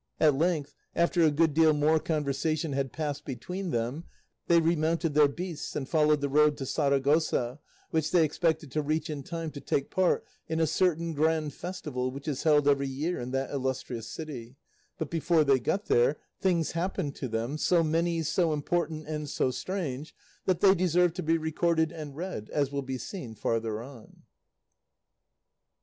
At length, after a good deal more conversation had passed between them, they remounted their beasts, and followed the road to Saragossa, which they expected to reach in time to take part in a certain grand festival which is held every year in that illustrious city; but before they got there things happened to them, so many, so important, and so strange, that they deserve to be recorded and read, as will be seen farther on.